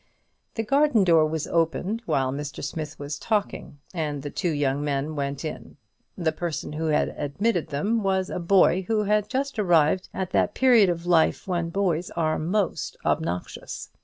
The garden door was opened while Mr. Smith was talking, and the two young men went in. The person who had admitted them was a boy who had just arrived at that period of life when boys are most obnoxious.